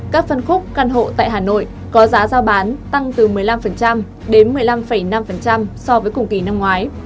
các phân khúc căn hộ tại hà nội có giá giao bán tăng từ một mươi năm đến một mươi năm năm so với cùng kỳ năm ngoái